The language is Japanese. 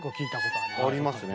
ありますね。